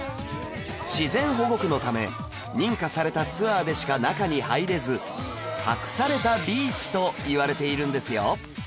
自然保護区のため認可されたツアーでしか中に入れず隠されたビーチといわれているんですよ